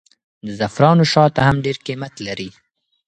د زعفرانو شات هم ډېر قیمت لري.